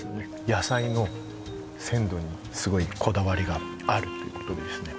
野菜の鮮度にすごいこだわりがあるということですね